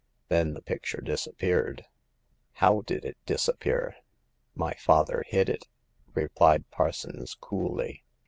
Then the picture disappeared." " How did it disappear ?"" My father hid it," replied Parsons, coolly.